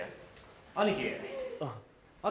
兄貴。